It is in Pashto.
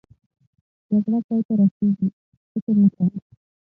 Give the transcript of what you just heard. جګړه پای ته رسېږي؟ فکر نه کوم.